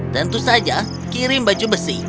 tentu saja kirim baju besi